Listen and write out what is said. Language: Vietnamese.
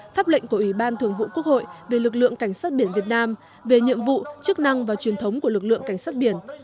tháp lệnh của ủy ban thường vụ quốc hội về lực lượng cảnh sát biển việt nam về nhiệm vụ chức năng và truyền thống của lực lượng cảnh sát biển